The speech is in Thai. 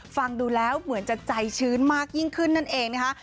ฟังดูแล้วเหมือนจะใจชื้นมากยิ่งขึ้นนั่นเองนะคะ